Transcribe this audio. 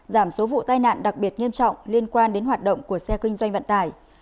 giảm số vụ tai nạn đặc biệt nghiêm trọng liên quan đến hoạt động của xe kinh doanh vận tải